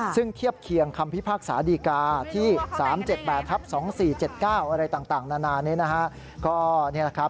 ซึ่งเทียบเคียงคำพิพากษาดีกาที่๓๗๘ทับ๒๔๗๙อะไรต่างนานานี้นะฮะ